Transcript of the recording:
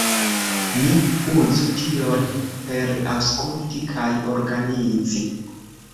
Ni uzu tion per aŭskulti kaj organizi.